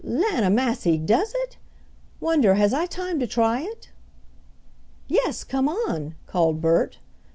"Lan' o' massy! does it? Wonder has I time to try it?" "Yes, come on," called Bert.